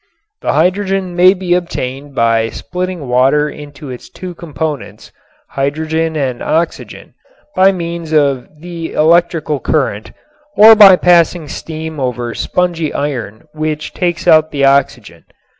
The hydrogen may be obtained by splitting water into its two components, hydrogen and oxygen, by means of the electrical current, or by passing steam over spongy iron which takes out the oxygen.